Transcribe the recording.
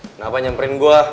kenapa nyamperin gue